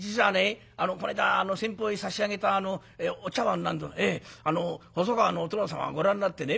この間先方へ差し上げたあのお茶碗細川のお殿様がご覧になってね